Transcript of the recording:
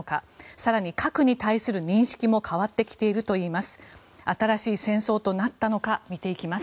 更に、核に対する認識も変わってきているといいます。